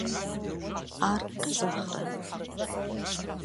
Ар къезэгърэ?